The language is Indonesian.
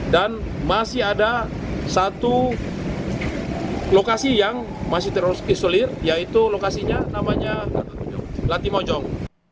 dan masih ada satu lokasi yang masih terisolir yaitu lokasinya namanya latimojong